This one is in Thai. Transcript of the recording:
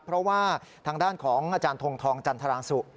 เพราะว่าทางด้านของอาจารย์ทงทองจันทรางสุ